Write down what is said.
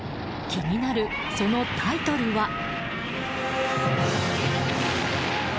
気になるそのタイトルは。